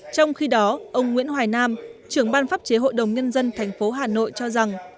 trong khi đó ông nguyễn hoài nam trưởng ban pháp chế hội đồng nhân dân tp hà nội cho rằng